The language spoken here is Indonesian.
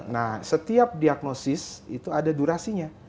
nah setiap diagnosis itu ada durasinya